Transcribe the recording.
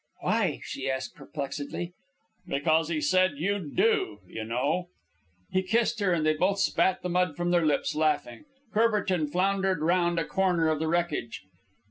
"Why?" she asked, perplexedly. "Because he said you'd do, you know." He kissed her, and they both spat the mud from their lips, laughing. Courbertin floundered round a corner of the wreckage.